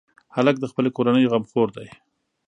هلک د خپلې کورنۍ غمخور دی.